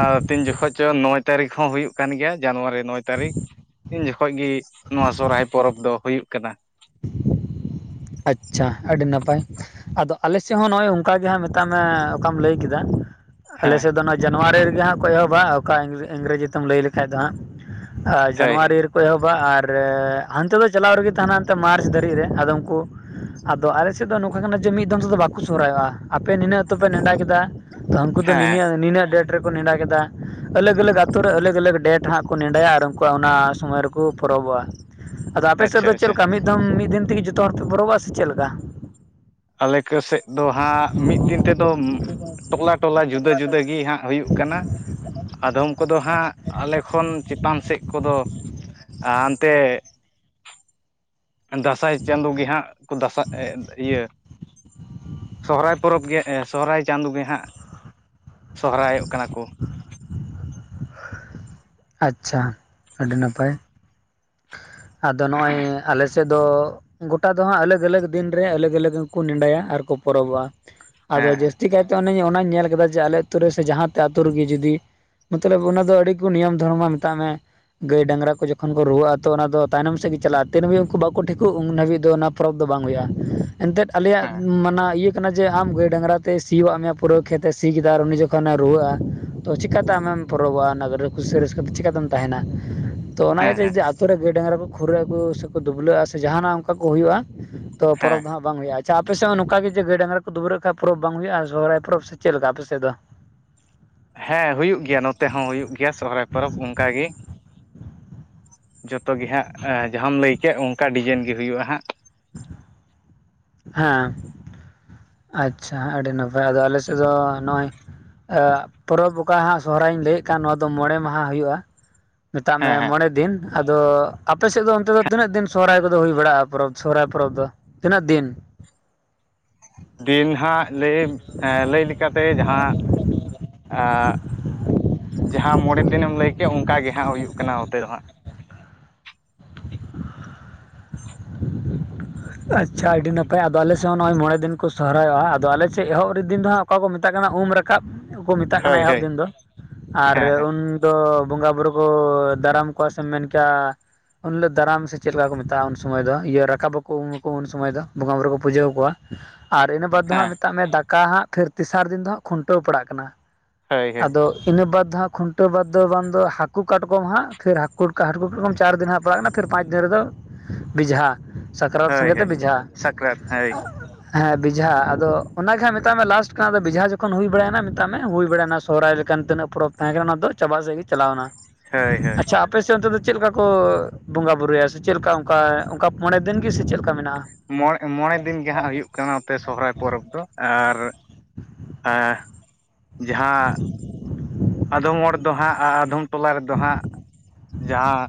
ᱟᱨ ᱛᱤᱱ ᱡᱚᱠᱷᱚᱡ ᱪᱚ ᱱᱚᱭ ᱛᱟᱹᱨᱤᱠᱷ ᱦᱚᱸ ᱦᱩᱭᱩᱜ ᱠᱟᱱ ᱜᱮᱭᱟ ᱡᱟᱱᱩᱣᱟᱨᱤ, ᱱᱚᱭ ᱛᱟᱹᱨᱤᱠᱷ ᱩᱱ ᱡᱚᱠᱷᱚᱡ ᱜᱮ ᱱᱚᱣᱟ ᱥᱚᱨᱦᱟᱭ ᱯᱚᱨᱚᱵᱽ ᱫᱚ ᱦᱩᱭᱩᱜ ᱠᱟᱱᱟ᱾ ᱟᱪᱪᱷᱟ ᱟᱹᱰᱤ ᱱᱟᱯᱟᱭ᱾ ᱟᱫᱚ ᱟᱞᱮ ᱥᱮᱫ ᱦᱚᱸ ᱱᱚᱜᱼᱚᱭ ᱚᱱᱠᱟ ᱜᱮ ᱦᱟᱸᱜ ᱢᱮᱛᱟᱜ ᱢᱮ ᱚᱠᱟᱢ ᱞᱟᱹᱭ ᱠᱮᱫᱟ? ᱟᱞᱮ ᱦᱮᱸ ᱥᱮᱫ ᱫᱚ ᱱᱚᱣᱟ ᱡᱩᱣᱟᱨᱤ ᱨᱮᱜᱮ ᱦᱟᱸᱜ ᱠᱚ ᱮᱦᱚᱵᱟ ᱚᱠᱟ ᱤᱝᱨᱮᱡᱤ ᱛᱮᱢ ᱞᱟᱹᱭ ᱞᱮᱠᱷᱷᱟᱡ ᱫᱚ ᱦᱟᱸᱜ᱾ ᱟ ᱦᱳᱭ ᱦᱮᱸ ᱡᱟᱱᱩᱣᱟᱨᱤ ᱨᱮᱠᱚ ᱮᱦᱚᱵᱟ ᱟᱨ ᱦᱟᱱᱛᱮ ᱫᱚ ᱪᱟᱞᱟᱣ ᱨᱮᱜᱮ ᱛᱟᱦᱮᱱᱟ ᱢᱟᱨᱪ ᱫᱷᱟᱹᱨᱤᱡ ᱨᱮ ᱟᱫᱚ ᱠᱚ ᱟᱫᱚ ᱟᱞᱮ ᱥᱮᱫ ᱫᱚ ᱱᱚᱝᱠᱟ ᱠᱟᱱᱟ ᱡᱮ ᱢᱤᱫ ᱫᱚᱢ ᱛᱮᱫᱚ ᱵᱟᱠᱚ ᱥᱚᱦᱨᱟᱭᱚᱜᱼᱟ᱾ ᱟᱯᱮ ᱱᱤᱱᱟᱹᱜ ᱟᱹᱛᱩ ᱯᱮ ᱱᱮᱸᱰᱟ ᱠᱮᱫᱟ ᱛᱚ ᱦᱟᱱᱠᱩ ᱫᱚ ᱦᱮᱸ ᱱᱤᱱᱤᱭᱟᱹ ᱱᱤᱱᱟᱹᱜ ᱰᱮᱴ ᱨᱮᱠᱚ ᱱᱮᱸᱰᱟ ᱠᱮᱫᱟ ᱟᱞᱟᱜᱽᱼᱟᱞᱟᱜᱽ ᱟᱹᱛᱚ ᱨᱮ ᱟᱞᱟᱜᱽᱼᱟᱞᱟᱜᱽ ᱰᱮᱴ ᱦᱟᱸᱜ ᱠᱚ ᱱᱮᱸᱰᱟᱭᱟ ᱟᱨ ᱩᱱᱠᱩᱣᱟᱜ ᱚᱱᱟ ᱥᱚᱢᱚᱭ ᱨᱮ ᱠᱚ ᱯᱚᱨᱚᱵᱚᱜᱼᱟ᱾ ᱟᱫᱚ ᱟᱯᱮ ᱥᱮᱫ ᱟᱪᱪᱷᱟ ᱟᱪᱪᱷᱟ ᱪᱮᱫ ᱞᱮᱠᱟ ᱢᱤᱫ ᱫᱚᱢ ᱢᱤᱫ ᱫᱤᱱ ᱛᱮᱜᱮ ᱡᱚᱛᱚ ᱦᱚᱲ ᱯᱮ ᱵᱚᱨᱚᱵᱚᱜᱼᱟ ᱥᱮ ᱪᱮᱫ ᱞᱮᱠᱟ ᱟᱞᱮ ᱠᱚ ᱥᱮᱫ ᱫᱚ ᱦᱟᱸᱜ ᱢᱤᱫ ᱫᱤᱱ ᱛᱮᱫᱚᱢ ᱴᱚᱞᱟᱼᱴᱚᱞᱟ ᱡᱩᱫᱟᱹᱼᱡᱩᱫᱟᱹ ᱜᱮ ᱦᱟᱸᱜ ᱦᱩᱭᱩᱜ ᱠᱟᱱᱟ᱾ ᱟᱫᱚᱢ ᱠᱚᱫᱚ ᱦᱟᱸᱜ ᱟᱞᱮ ᱠᱷᱚᱱ ᱪᱮᱛᱟᱱ ᱥᱮᱫ ᱠᱚᱫᱚ ᱟ ᱦᱟᱱᱛᱮ ᱫᱟᱸᱥᱟᱭ ᱪᱟᱸᱫᱚ ᱜᱮ ᱦᱟᱸᱜ ᱠᱚ ᱫᱟᱥᱟᱜ ᱮ ᱤᱭᱟᱹ ᱥᱚᱦᱨᱟᱭ ᱯᱚᱨᱚᱵᱽ ᱜᱮ ᱥᱚᱦᱨᱟᱭ ᱪᱟᱸᱫᱚ ᱜᱮ ᱦᱟᱸᱜ ᱥᱚᱦᱨᱟᱭᱚᱜ ᱠᱟᱱᱟ ᱠᱚ ᱟᱪᱪᱷᱟ ᱟᱹᱰᱤ ᱱᱟᱯᱟᱭ ᱟᱫᱚ ᱱᱚᱜᱼᱚᱭ ᱟᱞᱮ ᱥᱮᱫ ᱫᱚ ᱜᱚᱴᱟ ᱫᱚ ᱦᱟᱸᱜ ᱟᱞᱟᱜᱽᱼᱟᱞᱟᱜᱽ ᱫᱤᱱ ᱨᱮ ᱟᱞᱟᱜᱽᱼᱟᱞᱟᱜᱽ ᱦᱚᱸᱠᱚ ᱱᱮᱸᱰᱟᱭᱟ ᱟᱨᱠᱚ ᱯᱚᱨᱚᱵᱚᱜᱼᱟ᱾ ᱟᱫᱚ ᱦᱮᱸ ᱦᱮᱸ ᱡᱟᱹᱥᱛᱤ ᱠᱟᱭ ᱚᱱᱮ ᱚᱱᱟᱧ ᱧᱮᱞ ᱠᱮᱫᱟ ᱡᱮ ᱟᱞᱮ ᱟᱹᱛᱩ ᱨᱮ ᱥᱮ ᱡᱟᱦᱟᱸᱛᱮ ᱟᱹᱛᱩ ᱨᱤᱜᱤ ᱡᱩᱫᱤ ᱢᱟ. ᱛᱞᱚᱵᱽ ᱚᱱᱟ ᱫᱚ ᱟᱹᱰᱤ ᱠᱚ ᱱᱤᱭᱚᱢ ᱫᱷᱚᱨᱚᱢᱟ ᱢᱮᱛᱟᱜ ᱢᱮ ᱜᱟᱹᱭ ᱰᱟᱝᱨᱟ ᱠᱚ ᱡᱚᱠᱷᱚᱱ ᱠᱚ ᱨᱩᱣᱟᱹᱜᱼᱟ᱾ ᱛᱚ ᱚᱱᱟ ᱫᱚ ᱛᱟᱭᱱᱚᱢ ᱥᱮᱫ ᱜᱮ ᱪᱟᱞᱟᱜᱼᱟ᱾ ᱛᱤᱱ ᱦᱟᱹᱵᱤᱡ ᱩᱱᱠᱩ ᱵᱟᱠᱚ ᱴᱷᱤᱠᱚᱜᱼᱟ ᱩᱱ ᱦᱟᱹᱵᱤᱡ ᱫᱚ ᱚᱱᱟ ᱯᱚᱨᱚᱵᱽ ᱫᱚ ᱵᱟᱝ ᱦᱩᱭᱩᱜᱼᱟ᱾ ᱮᱱᱛᱮᱫ ᱟᱞᱮᱭᱟᱜ ᱦᱮᱸ ᱢᱟᱱᱟ ᱤᱭᱟᱹ ᱠᱟᱱᱟ ᱡᱮ ᱟᱢ ᱜᱟᱹᱭ ᱰᱟᱝᱨᱟ ᱛᱮ ᱥᱤᱭᱩᱜ ᱟᱜ ᱢᱮᱭᱟ ᱯᱩᱨᱟᱹ ᱠᱷᱮᱛ ᱮ ᱥᱤ ᱠᱮᱫᱟ ᱟᱨ ᱩᱱᱤ ᱡᱚᱠᱷᱚᱱᱮ ᱨᱩᱣᱟᱹᱜᱼᱟ᱾ ᱛᱚ ᱪᱮᱠᱟᱛᱮ ᱟᱢᱮᱢ ᱯᱚᱨᱚᱵᱚᱜᱼᱟ ᱚᱱᱟ ᱠᱩᱥᱤ ᱨᱟᱹᱥᱠᱟᱹ ᱛᱮ ᱪᱤᱠᱟᱛᱮᱢ ᱛᱟᱦᱮᱱᱟ᱾ ᱛᱚ ᱚᱱᱟ ᱦᱮᱸ ᱤᱭᱟᱹᱛᱮ ᱦᱮᱸ ᱡᱩᱫᱤ ᱟᱛᱳ ᱨᱮ ᱜᱟᱹᱭ ᱰᱟᱝᱨᱟ ᱠᱚ ᱠᱷᱩᱨᱟᱹᱜ ᱟᱠᱚ ᱥᱮᱠᱚ ᱫᱩᱵᱽᱞᱟᱹᱜᱼᱟ ᱥᱮ ᱡᱟᱦᱟᱱᱟᱜ ᱚᱱᱠᱟ ᱠᱚ ᱦᱩᱭᱩᱜᱼᱟ᱾ ᱛᱚ ᱦᱮᱸ ᱯᱚᱨᱚᱵᱽ ᱫᱚ ᱦᱟᱸᱜ ᱵᱟᱝ ᱦᱩᱭᱩᱜᱼᱟ᱾ ᱟᱪᱪᱷᱟ ᱟᱯᱮᱥᱮᱫ ᱦᱚᱸ ᱱᱚᱝᱠᱟ ᱜᱮ ᱡᱮ ᱜᱟᱹᱭ ᱰᱟᱝᱨᱟ ᱠᱚ ᱫᱩᱵᱨᱟᱹᱜ ᱠᱷᱟᱡ ᱯᱚᱨᱚᱵᱽ ᱵᱟᱝ ᱦᱩᱭᱩᱜᱼᱟ ᱥᱚᱦᱚᱨᱟᱭ ᱯᱚᱨᱚᱵᱽ ᱥᱮ ᱪᱮᱫ ᱞᱮᱠᱟ ᱟᱯᱮ ᱥᱮᱫ ᱫᱚ ᱦᱮᱸ ᱦᱩᱭᱩᱜ ᱜᱮᱭᱟ ᱱᱚᱛᱮ ᱦᱚᱸ ᱦᱩᱭᱩᱜ ᱜᱮᱭᱟ ᱥᱚᱦᱨᱟᱭ ᱯᱚᱨᱚᱵᱽ ᱚᱱᱠᱟ ᱜᱮ ᱡᱚᱛᱚ ᱜᱮ ᱦᱟᱸᱜ ᱡᱟᱦᱟᱸᱢ ᱞᱟᱹᱭ ᱠᱮᱫ ᱚᱱᱠᱟ ᱰᱤᱡᱟᱭᱤᱱ ᱜᱮ ᱦᱩᱭᱩᱜᱼᱟ ᱦᱟᱸᱜ ᱦᱮᱸ ᱟᱪᱪᱷᱟ ᱟᱹᱰᱤ ᱱᱟᱯᱟᱭ ᱟᱫᱚ ᱟᱞᱮᱥᱮᱫ ᱫᱚ ᱱᱚᱜᱼᱚᱭ ᱟ ᱯᱚᱨᱚᱵᱽ ᱚᱠᱟ ᱦᱟᱸᱜ ᱥᱚᱦᱨᱟᱭᱤᱧ ᱞᱟᱹᱭᱮᱫ ᱠᱟᱱ ᱱᱚᱣᱟ ᱫᱚ ᱢᱚᱬᱮ ᱢᱟᱦᱟ ᱦᱩᱭᱩᱜᱼᱟ᱾ ᱢᱮᱛᱟᱜ ᱢᱮ ᱦᱮᱸ ᱦᱮᱸ ᱢᱚᱬᱮ ᱫᱤᱱ ᱟᱫᱚ ᱟᱯᱮ ᱥᱮᱫ ᱫᱚ ᱚᱱᱛᱮ ᱫᱚ ᱛᱤᱱᱟᱹᱜ ᱫᱤᱱ ᱥᱚᱦᱨᱟᱭ ᱠᱚᱫᱚ ᱦᱩᱭ ᱵᱟᱲᱟᱜᱼᱟ ᱯᱚᱨᱚᱵᱽ ᱥᱚᱦᱚᱨᱟᱭ ᱯᱚᱨᱚᱵᱽ ᱫᱚ ᱛᱤᱱᱟᱹᱜ ᱫᱤᱱ ᱫᱤᱱ ᱦᱟᱸᱜ ᱞᱟᱹᱭᱟᱹᱧ ᱞᱟᱹᱭ ᱞᱮᱠᱟᱛᱮ ᱡᱟᱦᱟᱸ ᱟ ᱡᱟᱦᱟᱸ ᱢᱚᱬᱮ ᱫᱤᱱᱮᱢ ᱞᱟᱹᱭᱠᱮᱫ ᱚᱱᱠᱟ ᱜᱮ ᱦᱟᱸᱜ ᱦᱩᱭᱩᱜ ᱠᱟᱱᱟ ᱱᱚᱛᱮ ᱫᱚ ᱦᱟᱸᱜ ᱟᱪᱪᱷᱟ ᱟᱹᱰᱤ ᱱᱟᱯᱟᱭ ᱟᱫᱚ ᱟᱞᱮ ᱥᱮᱫ ᱦᱚᱸ ᱱᱚᱜᱼᱚᱭ ᱢᱚᱬᱮ ᱫᱤᱱ ᱠᱚ ᱥᱚᱦᱨᱟᱭᱚᱜ-ᱟ ᱟᱫᱚ ᱟᱞᱮ ᱥᱮᱫ ᱮᱦᱚᱵ ᱨᱮ ᱫᱤᱱ ᱫᱚ ᱦᱟᱸᱜ ᱚᱠᱟ ᱠᱚ ᱢᱮᱛᱟᱜ ᱠᱟᱱᱟ ᱩᱢ ᱨᱟᱠ ᱠᱟᱵ ᱦᱚᱸᱠᱚ ᱢᱮᱛᱟᱜ ᱦᱳᱭ ᱠᱟᱱᱟ ᱮᱦᱚᱵ ᱦᱳᱭ ᱫᱤᱱ ᱫᱚ ᱟᱨ ᱦᱮᱸ ᱦᱮᱸ ᱩᱱ ᱫᱚ ᱵᱚᱸᱜᱟ ᱵᱩᱨᱩ ᱦᱚᱸ ᱫᱟᱨᱟᱢ ᱠᱚᱣᱟ ᱥᱮᱢ ᱢᱮᱱ ᱠᱮᱭᱟ ᱩᱱ ᱦᱤᱞᱚᱜ ᱫᱟᱨᱟᱢ ᱥᱮ ᱪᱮᱫ ᱞᱮᱠᱟ ᱠᱚ ᱢᱮᱛᱟᱜᱼᱟ ᱩᱱ ᱥᱩᱢᱚᱭ ᱫᱚ ᱤᱭᱟᱹ ᱨᱟᱠᱟᱵᱚᱜ ᱩᱠᱩ ᱩᱱ ᱥᱚᱢᱚᱭ ᱫᱚ ᱵᱚᱸᱜᱟᱼᱵᱩᱨᱩ ᱠᱚ ᱯᱩᱡᱟᱹᱣ ᱠᱚᱣᱟ ᱟᱨ ᱤᱱᱟᱹ ᱵᱟᱫᱽ ᱫᱚ ᱦᱮᱸ ᱦᱟᱸᱜ ᱢᱮᱛᱟᱜ ᱢᱮ ᱫᱟᱠᱟ ᱦᱟᱸᱜ ᱯᱷᱤᱨ ᱛᱮᱥᱟᱨ ᱫᱤᱱ ᱫᱚ ᱦᱟᱸᱜ ᱠᱷᱩᱱᱴᱟᱹᱣ ᱯᱟᱲᱟᱜ ᱠᱟᱱᱟ ᱦᱳᱭ ᱦᱳᱭ ᱟᱫᱚ ᱤᱱᱟᱹ ᱵᱟᱫᱽ ᱫᱚ ᱦᱟᱸᱜ ᱠᱷᱩᱱᱴᱟᱹᱣ ᱵᱟᱫᱽ ᱫᱚ ᱵᱟᱝ ᱫᱚ ᱦᱟᱹᱠᱩ ᱠᱟᱴᱠᱚᱢ ᱦᱟᱸᱜ ᱯᱷᱤᱨ ᱦᱟᱹᱠᱩ ᱦᱟᱹᱠᱩ ᱠᱟᱴᱠᱚᱢ ᱪᱟᱨ ᱫᱤᱱ ᱦᱟᱸᱜ ᱯᱟᱲᱟᱜ ᱠᱟᱱᱟ ᱾ ᱯᱷᱤᱨ ᱯᱟᱸᱪ ᱫᱤᱱ ᱨᱮᱫᱚ ᱵᱮᱡᱷᱟ ᱥᱟᱠᱨᱟᱛ ᱦᱳᱭ ᱥᱚᱸᱜᱮ ᱛᱮ ᱦᱳᱭ ᱵᱮᱡᱷᱟ ᱥᱟᱠᱨᱟᱛ ᱦᱳᱭ ᱦᱮᱸ ᱵᱮᱡᱷᱟ ᱟᱫᱚ ᱚᱱᱟᱜᱮ ᱦᱟᱸᱜ ᱢᱮᱛᱟᱜ ᱢᱮ ᱞᱟᱥᱴ ᱠᱟᱱᱟ ᱟᱫᱚ ᱵᱮᱡᱷᱟ ᱡᱚᱠᱷᱚᱱ ᱦᱩᱭ ᱵᱟᱲᱟᱭᱮᱱᱟ ᱢᱮᱛᱟᱜ ᱢᱮ ᱦᱩᱭ ᱵᱟᱲᱟᱭᱮᱱᱟ ᱥᱚᱦᱨᱟᱭ ᱞᱮᱠᱟᱱ ᱛᱤᱱᱟᱹᱜ ᱯᱚᱨᱚᱵᱽ ᱛᱟᱦᱮᱸ ᱠᱟᱱᱟ ᱚᱱᱟ ᱫᱚ ᱪᱟᱵᱟ ᱥᱮᱫ ᱜᱮ ᱪᱟᱞᱟᱣ ᱮᱱᱟ ᱦᱳᱭ ᱾ ᱦᱳᱭ ᱟᱪᱪᱷᱟ ᱟᱯᱮ ᱥᱮᱫ ᱚᱱᱛᱮ ᱫᱚ ᱪᱮᱫ ᱞᱮᱠᱟ ᱠᱚ ᱵᱚᱸᱜᱟ ᱵᱩᱨᱩᱭᱟ ᱥᱮ ᱪᱮᱫ ᱞᱮᱠᱟ ᱚᱱᱠᱟ ᱚᱱᱠᱟ ᱢᱚᱬᱮ ᱫᱤᱱ ᱜᱮ ᱥᱮ ᱪᱮᱫ ᱞᱮᱠᱟ ᱢᱮᱱᱟᱜᱼᱟ? ᱢᱚᱬ ᱢᱚᱬᱮ ᱫᱤᱱ ᱜᱮ ᱦᱟᱸᱜ ᱦᱩᱭᱩᱜ ᱠᱟᱱᱟ ᱱᱚᱛᱮ ᱥᱚᱨᱦᱟᱭ ᱯᱚᱨᱚᱵᱽ ᱫᱚ, ᱟᱨ ᱮᱸᱜ ᱡᱟᱦᱟᱸ ᱟᱫᱚᱢ ᱦᱚᱲ ᱫᱚ ᱦᱟᱸᱜ ᱟᱨ ᱟᱫᱷᱚᱢ ᱴᱚᱞᱟ ᱨᱮᱫᱚ ᱦᱟᱸᱜ ᱡᱟᱦᱟᱸ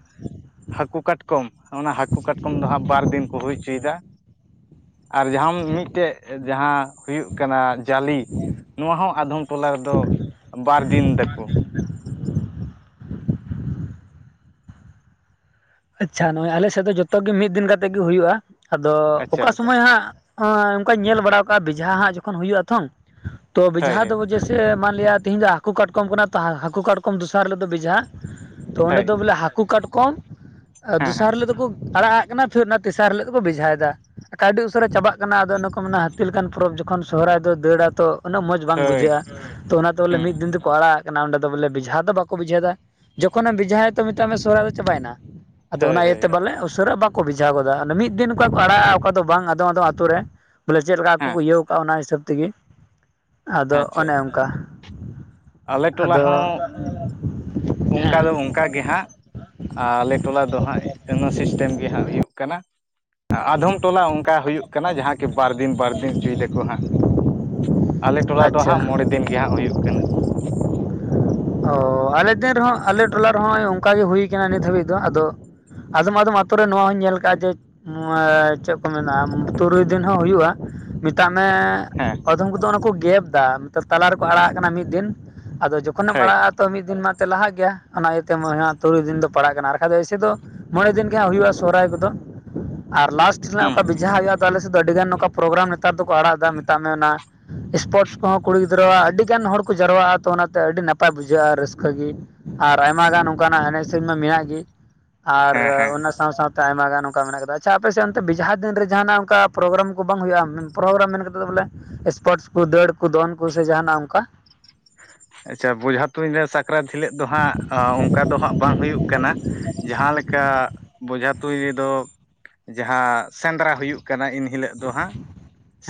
ᱦᱟᱹᱠᱩ ᱠᱟᱴ ᱠᱚᱢ ᱚᱱᱟ ᱦᱟᱹᱠᱩ ᱠᱟᱴᱠᱚᱢ ᱫᱚ ᱦᱟᱸᱜ ᱵᱟᱨ ᱫᱤᱱ ᱠᱚ ᱦᱩᱭ ᱦᱚᱪᱚᱭᱫᱟ ᱾ ᱟᱨ ᱡᱟᱦᱟᱸᱢ ᱢᱤᱫᱴᱮᱡ ᱡᱟᱦᱟᱸ ᱦᱩᱭᱩᱜ ᱠᱟᱱᱟ ᱡᱟᱞᱤ ᱱᱚᱣᱟ ᱦᱚᱸ ᱟᱫᱷᱚᱢ ᱴᱚᱞᱟ ᱨᱮᱫᱚ ᱵᱟᱨ ᱫᱤᱱ ᱫᱟᱠᱚ ᱾ ᱟᱪᱪᱷᱟ ᱱᱚᱜᱼᱚᱭ ᱟᱞᱮ ᱥᱮᱫ ᱫᱚ ᱡᱷᱚᱛᱚ ᱜᱮ ᱢᱤᱫ ᱫᱤᱱ ᱠᱟᱛᱮᱜ ᱜᱮ ᱦᱩᱭᱩᱜᱼᱟ, ᱟᱫᱚ ᱟᱪᱪᱷᱟ ᱚᱠᱟ ᱟᱪᱪᱷᱟ ᱥᱩᱢᱚᱭ ᱦᱟᱸᱜ, ᱞ ᱮᱸ ᱚᱝᱠᱟᱧ ᱧᱮᱞ ᱵᱟᱲᱟ ᱠᱟᱜᱼᱟ ᱵᱮᱡᱷᱟ ᱦᱟᱸᱜ ᱡᱚᱠᱷᱚᱱ ᱦᱩᱭᱩᱜ ᱟ ᱛᱷᱚᱝ ᱛᱚ ᱦᱳᱭ ᱵᱮᱡᱷᱟ ᱫᱚ ᱦᱳᱭ ᱥᱮ ᱢᱟᱱᱞᱭᱟ ᱛᱤᱦᱤᱧ ᱫᱚ ᱦᱟᱹᱠᱩ ᱠᱟᱴᱠᱚᱢ ᱠᱟᱱᱟ ᱛᱚ ᱦᱟᱹᱠᱩ ᱠᱟᱴᱠᱚᱢ ᱫᱚᱥᱟᱨ ᱦᱤᱞᱳᱜ ᱫᱚ ᱵᱮᱡᱷᱟ ᱛᱚ ᱚᱸᱰᱮ ᱦᱳᱭ ᱫᱚ ᱵᱚᱞᱮ ᱦᱟᱹᱠᱩ ᱠᱟᱴᱠᱚᱢ ᱟ ᱦᱮᱸ ᱦᱮᱸ ᱫᱚᱥᱟᱨ ᱦᱤᱞᱳᱜ ᱫᱚᱠᱚ ᱟᱲᱟᱜ ᱟᱜ ᱠᱟᱱᱟ, ᱯᱷᱮᱨ ᱚᱱᱟ ᱛᱮᱥᱟᱨ ᱦᱤᱞᱳᱜ ᱫᱚᱠᱚ ᱵᱮᱡᱷᱟᱭᱫᱟ ᱾ ᱠᱟᱹᱣᱰᱤ ᱩᱥᱟᱹᱨᱟ ᱪᱟᱵᱟᱜ ᱠᱟᱱᱟ ᱟᱫᱚ ᱤᱱᱚ ᱠᱚ ᱢᱮᱱᱟ ᱦᱟᱹᱛᱤ ᱞᱮᱠᱟᱱ ᱯᱚᱨᱚᱵᱽ ᱡᱚᱠᱷᱚᱱ ᱥᱚᱦᱚᱨᱟᱭ ᱫᱚ ᱫᱟᱹᱲᱟᱛᱚ ᱩᱱᱟᱹᱜ ᱢᱚᱡ ᱵᱟᱝ ᱦᱳᱭ ᱵᱩᱡᱷᱟᱹᱜᱼᱟ ᱛᱚ ᱚᱱᱟᱛᱮ ᱵᱚᱞᱮ ᱦᱩᱸ ᱢᱤᱫ ᱦᱩᱸ ᱫᱤᱱ ᱫᱚᱠᱚ ᱟᱲᱟᱜᱟᱜ ᱠᱟᱱᱟ ᱚᱸᱰᱮ ᱫᱚ ᱵᱚᱞᱮ ᱵᱮᱚᱡᱷᱟ ᱫᱚ ᱵᱟᱠᱚ ᱵᱮᱡᱷᱟᱣᱫᱟ ᱾ ᱡᱚᱠᱷᱚᱱᱮᱢ ᱵᱷᱤᱡᱷᱟᱭᱟ ᱛᱚ ᱢᱮᱛᱟᱜ ᱢᱮ ᱥᱚᱨᱚᱦᱟ ᱫᱚ ᱪᱟᱵᱟᱭᱱᱟ ᱾ ᱟᱫᱚ ᱦᱳᱭ ᱚᱱᱟ ᱦᱳᱭ ᱤᱭᱟᱹᱛᱮ ᱵᱚᱞᱮ ᱩᱥᱟᱹᱨᱟ ᱵᱟᱠᱚ ᱵᱷᱮᱡᱷᱟ ᱜᱚᱫᱟ ᱢᱤᱫ ᱫᱤᱱ ᱚᱠᱟ ᱠᱚ ᱟᱲᱟᱜᱼᱟ ᱚᱠᱟ ᱫᱚ ᱵᱟᱝ ᱟᱫᱚᱢ ᱟᱫᱚᱢ ᱟᱹᱛᱩ ᱨᱮ, ᱵᱚᱞᱮ ᱪᱮᱫ ᱞᱮᱠᱟ ᱟᱠᱚ ᱦᱮᱸ ᱠᱚ ᱤᱭᱟᱹᱣ ᱠᱟᱜᱼᱟ ᱚᱱᱟ ᱦᱤᱥᱟᱹᱵᱽ ᱛᱮᱜᱮ ᱟᱫᱚ ᱟᱪᱪᱷᱟ ᱚᱱᱮ ᱚᱝᱠᱟ ᱾ ᱟᱞᱮ ᱴᱚᱞᱟ ᱦᱚᱸ ᱚᱝᱠᱟ ᱫᱚ ᱦᱮᱸ ᱚᱝᱠᱟ ᱜᱮ ᱦᱟᱸᱜ ᱾ ᱟᱨ ᱟᱞᱮ ᱴᱚᱞᱟ ᱫᱚ ᱦᱟᱸᱜ ᱤᱱᱟ ᱥᱤᱥᱴᱮᱢ ᱜᱮ ᱦᱟᱸᱜ ᱦᱩᱭᱩᱜ ᱠᱟᱱᱟ ᱾ ᱟᱫᱷᱚᱢ ᱴᱚᱞᱟ ᱚᱝᱠᱟ ᱦᱩᱭᱩᱜ ᱠᱟᱱᱟ ᱡᱟᱦᱟᱸ ᱠᱤ ᱵᱟᱨ ᱫᱤᱱ ᱵᱟᱨ ᱫᱤᱱ ᱦᱚᱪᱚᱭ ᱫᱟᱠᱚ ᱦᱟᱸᱜ ᱾ ᱟᱞᱮ ᱴᱚᱞᱟ ᱫᱚ ᱦᱟᱸᱜ ᱟᱪᱪᱷᱟ ᱢᱚᱬᱮ ᱫᱤᱱ ᱜᱮ ᱦᱟᱸᱜ ᱦᱩᱭᱩᱜ ᱠᱟᱱᱟ ᱾ ᱚ ᱟᱞᱮ ᱫᱮᱱ ᱨᱮᱦᱚᱸ ᱟᱞᱮ ᱴᱚᱞᱟ ᱨᱮᱦᱚᱸ ᱦᱚᱸᱜᱼᱚᱭ ᱚᱝᱠᱟ ᱜᱮ ᱦᱩᱭᱠᱟᱱᱟ ᱱᱤᱛ ᱦᱟᱹᱵᱤᱡ ᱫᱚ, ᱟᱫᱚ ᱟᱫᱚᱢ ᱟᱫᱚᱢ ᱟᱛᱳ ᱨᱮ ᱱᱚᱣᱟ ᱦᱚᱧ ᱧᱮᱞ ᱠᱟᱜᱼᱟ ᱡᱮ ᱱᱚᱣᱟ ᱪᱮᱜ ᱠᱚ ᱢᱮᱛᱟ ᱛᱩᱨᱩᱭ ᱫᱤᱱ ᱦᱚᱸ ᱦᱩᱭᱩᱜᱼᱟ, ᱢᱤ ᱛᱟᱜ ᱢᱮ ᱦᱮᱸ ᱟᱫᱷᱚᱢ ᱠᱚᱫᱚ ᱚᱱᱟ ᱠᱚ ᱜᱮᱯ ᱫᱟ ᱛᱟᱞᱟ ᱨᱮᱠᱚ ᱟᱲᱟᱜ ᱠᱟᱱᱟ ᱢᱤᱫ ᱫᱤᱱ ᱟᱫᱚ ᱡᱚ ᱠᱷᱚᱱᱮᱢ ᱦᱳᱭ ᱟᱲᱟᱜᱼᱟ ᱛᱚ ᱢᱤᱫ ᱫᱤᱱ ᱢᱟ ᱞᱟᱦᱟᱜ ᱜᱮᱭᱟ ᱚᱱᱟ ᱤᱭᱟᱹᱛᱮ ᱛᱩᱨᱩᱭ ᱫᱤᱱ ᱫᱚ ᱯᱟᱲᱟᱜ ᱠᱟᱱᱟ, ᱟᱨ ᱵᱟᱠᱷᱟᱱ ᱫᱚ ᱮᱭᱥᱮ ᱫᱚ ᱢᱚᱬᱮ ᱫᱤᱱ ᱜᱮ ᱦᱟᱸᱜ ᱦᱩᱭᱩᱜᱼᱟ ᱥᱚᱦᱚᱨᱟᱭ ᱠᱚᱫᱚ ᱟᱨ ᱞᱟᱥᱴ ᱨᱮᱱᱟᱜ ᱦᱩᱸ ᱚᱠᱟ ᱵᱮᱡᱷᱟ ᱦᱩᱭᱩᱜᱼᱟ ᱛᱟᱦᱚᱞᱮ ᱥᱮᱫ ᱫᱚ ᱟᱹᱰᱤ ᱜᱟᱱ ᱱᱚᱸᱠᱟ ᱯᱨᱳᱜᱨᱟᱢ ᱱᱮᱛᱟᱨ ᱫᱚᱠᱚ ᱟᱲᱟᱜ ᱫᱟ ᱢᱮᱛᱟᱜ ᱢᱮ ᱚᱱᱟ ᱮᱥᱯᱳᱨᱴᱥ ᱠᱚᱦᱚᱸ ᱠᱩᱲᱤ ᱜᱤᱫᱽᱨᱟᱹᱣᱟᱜ ᱟᱹᱰᱤ ᱜᱟᱱ ᱦᱚᱲ ᱠᱚ ᱡᱟᱨᱣᱟᱜᱼᱟ, ᱛᱚ ᱚᱱᱟ ᱛᱮ ᱟᱹᱰᱤ ᱱᱟᱯᱟᱭ ᱵᱩᱡᱷᱟᱹᱜᱼᱟ ᱨᱟᱹᱥᱠᱟᱹ ᱜᱮ, ᱟᱨ ᱟᱭᱢᱟ ᱜᱟᱱ ᱚᱱᱠᱟᱱᱟᱜ ᱮᱱᱮᱡ ᱥᱮᱨᱮᱧ ᱢᱟ ᱢᱮᱱᱟᱜ ᱜᱮ ᱾ ᱟᱨ ᱦᱮᱸ ᱦᱮᱸ ᱚᱱᱟ ᱥᱟᱶ ᱥᱟᱶᱛᱮ ᱟᱭᱢᱟ ᱜᱟᱱ ᱚᱱᱠᱟ ᱢᱮᱱᱟᱜ ᱠᱟᱫᱟ, ᱟᱪᱪᱷᱟ ᱟᱯᱮᱥᱮᱫ ᱚᱱᱛᱮ ᱵᱤᱡᱷᱟ ᱫᱤᱱ ᱨᱮ ᱡᱟᱦᱟᱱᱟᱜ ᱚᱝᱠᱟ ᱯᱨᱳᱜᱨᱟᱢ ᱠᱚ ᱵᱟᱝ ᱦᱩᱭᱩᱜᱼᱟ? ᱯᱨᱳᱜᱨᱟᱢ ᱢᱮᱱ ᱠᱟᱛᱮᱫ ᱫᱚ ᱵᱚᱞᱮ ᱥᱯᱳᱨᱴᱥ ᱠᱚ ᱫᱟᱹᱲ ᱠᱚ ᱫᱚᱱ ᱠᱚ ᱥᱮ ᱡᱟᱦᱟᱱᱟᱜ ᱚᱝᱠᱟ? ᱟᱪᱪᱷᱟ ᱵᱚᱡᱷᱟ ᱛᱩᱧ ᱨᱮ ᱥᱟᱠᱨᱟᱛ ᱦᱤᱞᱟᱹᱜ ᱫᱚ ᱦᱟᱸᱜ ᱚᱱᱠᱟ ᱫᱚ ᱦᱟᱸᱜ ᱵᱟᱝ ᱦᱩᱭᱩᱜ ᱠᱟᱱᱟ ᱾ ᱡᱟᱦᱟᱸ ᱞᱮᱠᱟ ᱵᱚᱡᱷᱟ ᱛᱩᱧ ᱨᱮᱫᱚ ᱡᱟᱦᱟᱸ ᱥᱮᱸᱫᱽᱨᱟ ᱦᱩᱭᱩᱜ ᱠᱟᱱᱟ ᱤᱱᱦᱤᱞᱳᱜ ᱫᱚ ᱦᱟᱸᱜ ᱾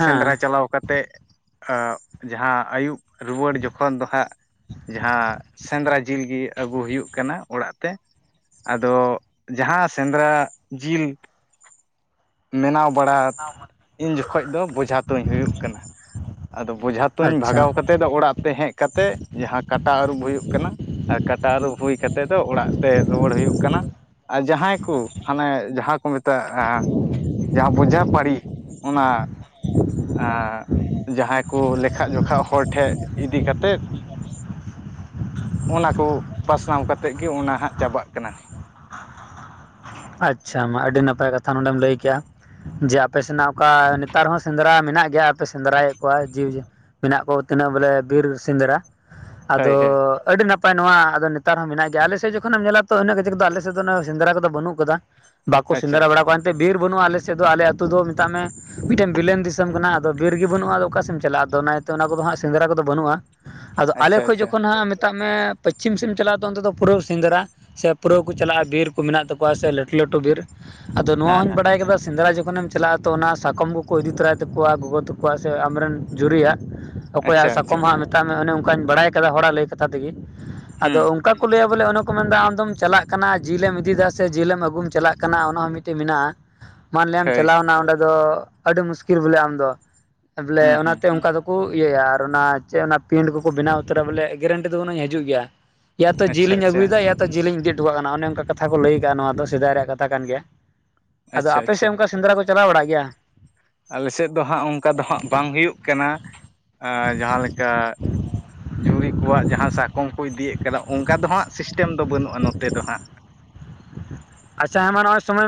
ᱥᱮᱸᱫᱽᱨᱟ ᱪᱟᱞᱟᱣ ᱠᱟᱛᱮᱜ ᱟᱜ ᱡᱟᱦᱟᱸ ᱟᱹᱭᱩᱵ ᱨᱩᱣᱟᱹᱲ ᱡᱚᱠᱷᱚᱱ ᱫᱚ ᱦᱟᱸᱜ ᱡᱟᱦᱟᱸ ᱥᱮᱸᱫᱽᱨᱟ ᱡᱤᱞᱜᱤ ᱟᱹᱜᱩ ᱦᱩᱭᱩᱜ ᱠᱟᱱᱟ ᱚᱲᱟᱜ ᱛᱮ, ᱟᱫᱚ ᱡᱟᱦᱟᱸ ᱥᱮᱸᱫᱽᱨᱟ ᱡᱤᱞ ᱢᱮᱱᱟᱣ ᱵᱟᱲᱟ ᱤᱧ ᱡᱚᱠᱷᱚᱡ ᱫᱚ ᱵᱚᱡᱷᱟ ᱛᱩᱧ ᱦᱩᱭᱩᱜ ᱠᱟᱱᱟ, ᱟᱫᱚ ᱵᱚᱡᱷᱟ ᱛᱩᱧ ᱵᱷᱟᱜᱟᱣ ᱟᱪᱪᱷᱟ ᱠᱟᱛᱮᱫ ᱚᱲᱟᱜ ᱛᱮ ᱦᱮᱡ ᱠᱟᱛᱮᱜ ᱡᱟᱦᱟᱸ ᱠᱟᱴᱟ ᱟᱹᱨᱩᱵ ᱦᱩᱭᱩᱜ ᱠᱟᱱᱟ, ᱟᱨ ᱠᱟᱴᱟ ᱟᱹᱨᱩᱵ ᱦᱩᱭ ᱠᱟᱛᱮᱫ ᱫᱚ ᱚᱲᱟᱜ ᱛᱮ ᱨᱩᱣᱟᱹᱲ ᱦᱩᱭᱩᱜ ᱠᱟᱱᱟ ᱾ ᱟᱨ ᱡᱟᱦᱟᱸᱭ ᱠᱩ ᱦᱟᱸᱱᱮ ᱡᱟᱦᱟᱸ ᱠᱚ ᱢᱮᱛᱟᱜᱼᱟ, ᱡᱟᱦᱟᱸ ᱵᱩᱡᱷᱟ ᱯᱟᱹᱲᱤ ᱚᱱᱟ ᱟᱸ ᱡᱟᱦᱟᱸᱭ ᱠᱚ ᱞᱮᱠᱷᱷᱟ ᱡᱚᱠᱷᱟ ᱦᱚᱲ ᱴᱷᱮᱱ ᱤᱫᱤ ᱠᱟᱛᱮᱫ ᱚᱱᱟ ᱠᱚ ᱯᱟᱥᱱᱟᱣ ᱠᱟᱛᱮᱜ ᱜᱮ ᱚᱱᱟ ᱦᱟᱸᱜ ᱪᱟᱵᱟᱜ ᱠᱟᱱᱟ᱾ ᱟᱪᱪᱷᱟ ᱢᱟ ᱟᱹᱰᱤ ᱱᱟᱯᱟᱭ ᱠᱟᱛᱷᱟ ᱱᱚᱰᱮᱢ ᱞᱟᱹᱭ ᱠᱮᱜᱼᱟ ᱾ ᱡᱮ ᱟᱯᱮ ᱥᱮᱱᱟᱜ ᱚᱱᱠᱟ ᱱᱮᱛᱟᱨ ᱦᱚᱸ ᱥᱮᱸᱫᱽᱨᱟ ᱢᱮᱱᱟᱜ ᱜᱮᱭᱟ ᱟᱨᱯᱮ ᱥᱮᱸᱫᱽᱨᱟᱭᱮᱫ ᱠᱚᱣᱟ ᱡᱤᱞᱤ ᱢᱮᱱᱟᱜ ᱠᱚ ᱛᱤᱱᱟᱹᱜ ᱵᱚᱞᱮ ᱵᱤᱨ ᱥᱮᱸᱫᱽᱨᱟ ᱦᱳᱭ ᱟᱫᱚ ᱦᱳᱭ ᱟᱹᱰᱤ ᱱᱟᱯᱟᱭ ᱱᱟᱯᱟᱭ ᱱᱚᱣᱟ ᱟᱫᱚ ᱱᱮᱛᱟᱨ ᱦᱚᱸ ᱢᱮᱱᱟᱜ ᱜᱮᱭᱟ ᱟᱞᱮ ᱥᱮᱫ ᱡᱚᱠᱷᱚᱱ ᱮᱢ ᱧᱮᱞᱟ ᱛᱚ ᱤᱱᱟᱹᱜ ᱠᱟᱛᱷ ᱟᱞᱮᱥᱮᱫ ᱫᱚ ᱥᱮᱸᱫᱽᱨᱟ ᱠᱚᱫᱚ ᱵᱟᱹᱱᱩᱜ ᱠᱟᱫᱟ᱾ ᱵᱟᱠᱚ ᱟᱪᱪᱷᱟ ᱥᱮᱸᱫᱽᱨᱟ ᱵᱟᱲᱟ ᱠᱚᱣᱟ ᱮᱱᱛᱮ ᱵᱤᱨ ᱵᱟᱹᱱᱩᱜᱼᱟ ᱟᱞᱮ ᱥᱮᱫ ᱫᱚ ᱟᱞᱮ ᱟᱹᱛᱩ ᱫᱚ ᱢᱮᱛᱟᱜ ᱢᱮ ᱢᱤᱫᱴᱮᱱ ᱵᱤᱞᱢ ᱫᱤᱥᱚᱢ ᱠᱟᱱᱟ ᱟᱫᱚ ᱵᱤᱨ ᱜᱮ ᱢᱤᱫ ᱴᱮᱱ ᱵᱤᱞᱮᱱ ᱫᱤᱥᱚᱢ ᱠᱟᱱᱟ ᱟᱫᱚ ᱵᱤᱨ ᱜᱮ ᱵᱟᱹᱱᱩᱜᱼᱟ ᱟᱫᱚ ᱚᱠᱟᱥᱮᱢ ᱪᱟᱞᱟᱜᱼᱟ ᱟᱫᱚ ᱚᱱᱟᱛᱮ ᱚᱱᱟ ᱠᱚᱫᱚ ᱦᱟᱸᱜ ᱥᱮᱸᱫᱽᱨᱟ ᱠᱚᱫᱚ ᱵᱟᱹᱱᱩᱜᱼᱟ᱾ ᱟᱫᱚ ᱟᱞᱮ ᱟᱪᱪᱷᱟ ᱠᱷᱚᱡ ᱟᱪᱪᱷᱟ ᱡᱚᱠᱷᱚᱱ ᱦᱟᱸᱜ ᱢᱮᱛᱟᱜ ᱢᱮ ᱯᱚᱪᱷᱤᱢ ᱥᱮᱫ ᱮᱢ ᱪᱟᱞᱟᱣ ᱛᱚ ᱚᱱᱛᱮ ᱫᱚ ᱯᱩᱨᱟᱹ ᱥᱤᱸᱫᱽᱨᱟ ᱥᱮ ᱯᱩᱨᱟᱹᱣ ᱠᱚ ᱪᱟᱞᱟᱜᱼᱟ ᱵᱤᱨ ᱠᱚ ᱢᱮᱱᱟᱜ ᱛᱟᱠᱚᱣᱟ ᱾ ᱥᱮ ᱞᱟᱹᱴᱩ ᱞᱟᱹᱴᱩ ᱵᱤᱨ ᱟᱫᱚ ᱱᱚᱣᱟ ᱦᱮᱸ ᱦᱚᱧ ᱦᱮᱸ ᱵᱟᱲᱟᱭ ᱠᱟᱫᱟ ᱥᱮᱸᱫᱽᱨᱟ ᱡᱚᱠᱷᱚᱱ ᱮᱢ ᱪᱟᱞᱟᱜᱼᱟ ᱛᱚ ᱚᱱᱟ ᱥᱟᱠᱚᱢ ᱠᱚᱠᱚ ᱤᱫᱤ ᱛᱚᱨᱟᱭ ᱛᱟᱠᱚᱣᱟ ᱜᱚᱜᱚ ᱛᱟᱠᱚᱣᱟᱜ ᱥᱮ ᱟᱢᱨᱮᱱ ᱡᱩᱨᱤᱭᱟᱜ᱾ ᱟᱪᱪᱷᱟ ᱚᱠᱚᱭᱟᱜ ᱟᱪᱪᱷᱟ ᱥᱟᱠᱚᱢ ᱦᱟᱸᱜ ᱢᱮᱛᱟᱜ ᱢᱮ ᱚᱱᱮ ᱚᱱᱠᱟᱧ ᱵᱟᱲᱟᱭ ᱟᱠᱟᱫᱟ ᱦᱚᱲᱟᱜ ᱞᱟᱹᱭ ᱠᱟᱛᱷᱟ ᱛᱮᱜᱮ ᱦᱩᱸ ᱟᱫᱚ ᱚᱱᱠᱟ ᱦᱚᱲ ᱠᱚ ᱞᱟᱹᱭᱟ ᱵᱚᱞᱮ ᱚᱱᱮ ᱠᱚ ᱢᱮᱱᱫᱟ ᱟᱢᱫᱚᱢ ᱪᱟᱞᱟᱜ ᱠᱟᱱᱟ ᱡᱤᱞᱮ ᱮᱢ ᱤᱫᱤᱭᱮᱫᱟ ᱥᱮ ᱡᱤᱞ ᱮᱢ ᱟᱹᱜᱩᱢ ᱪᱟᱞᱟᱜ ᱠᱟᱱᱟ ᱚᱱᱟ ᱦᱚᱸ ᱢᱤᱫᱴᱮᱱ ᱢᱮᱱᱟᱜᱼᱟ ᱢᱟᱱᱞᱮᱢ ᱦᱳᱭ ᱪᱟᱞᱟᱣᱮᱱᱟ ᱚᱸᱰᱮ ᱫᱚ ᱟᱹᱰᱤ ᱢᱩᱥᱠᱤᱞ ᱵᱚᱞᱮ ᱟᱢ ᱫᱚ ᱵᱚᱞᱮ ᱦᱩᱸ ᱦᱩᱸ ᱚᱱᱟᱛᱮ ᱚᱱᱠᱟ ᱫᱚᱠᱚ ᱤᱭᱟᱹᱭᱟ ᱟᱨ ᱚᱱᱟ ᱪᱮᱫ ᱚᱱᱟ ᱯᱤᱱᱴ ᱠᱚᱠᱚ ᱵᱮᱱᱟᱣ ᱩᱛᱟᱹᱨᱟ ᱵᱚᱞᱮ ᱜᱮᱨᱮᱱᱴᱤ ᱫᱚ ᱵᱟᱱᱩᱜᱟ ᱡᱤᱝ ᱦᱤᱡᱩᱜ ᱜᱮᱭᱟ ᱾ ᱤᱭᱟᱛᱚ ᱡᱤᱞ ᱟᱪᱪᱷᱟ ᱤᱧ ᱟᱪᱪᱷᱟ ᱟᱜᱩᱭᱮᱫᱟ ᱮᱭᱟ ᱛᱚ ᱡᱤᱞ ᱤᱫᱤ ᱦᱚᱴᱚᱸᱜ ᱪᱟᱞᱟᱜ ᱠᱟᱱᱟ ᱚᱱᱮ ᱚᱱᱠᱟ ᱠᱟᱛᱷᱟ ᱠᱚ ᱞᱟᱹᱭ ᱟᱫᱟ ᱾ ᱱᱚᱣᱟ ᱫᱚ ᱥᱮᱫᱟᱭ ᱨᱮᱭᱟᱜ ᱠᱟᱛᱷᱟ ᱠᱟᱱ ᱜᱮᱭᱟ ᱟᱫᱚ ᱟᱪᱪᱷᱟ ᱟᱯᱮ ᱟᱪᱪᱷᱟ ᱥᱮᱫ ᱚᱱᱠᱟ ᱥᱮᱸᱫᱽᱨᱟ ᱠᱚ ᱪᱟᱞᱟᱣ ᱵᱟᱲᱟᱜ ᱜᱮᱭᱟ᱾ ᱟᱞᱮᱥᱮᱫ ᱫᱚ ᱦᱟᱸᱜ ᱚᱱᱠᱟ ᱫᱚ ᱦᱟᱸᱜ ᱵᱟᱝ ᱦᱩᱭᱩᱜ ᱠᱟᱱᱟ ᱡᱟᱦᱟᱸ ᱞᱮᱠᱟ᱾ ᱡᱩᱨᱤ ᱠᱚᱣᱟᱜ ᱡᱟᱦᱟᱸ ᱥᱟᱠᱚᱢ ᱠᱚ ᱤᱫᱤᱭᱮᱫ ᱠᱟᱱᱟ ᱚᱱᱠᱟ ᱫᱚ ᱦᱟᱸᱜ ᱥᱤᱥᱴᱮᱢ ᱫᱚ ᱵᱟᱹᱱᱩᱜᱼᱟ ᱱᱚᱛᱮ ᱫᱚ ᱦᱟᱸᱜ ᱟᱪᱪᱷᱟ [unintelligible]